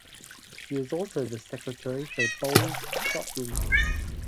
She is also the Secretary for Bowls Scotland.